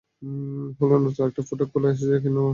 ফলে নতুন করে ফটক খোলা হয়েছে বলে কোনো তথ্য তাঁদের কাছে নেই।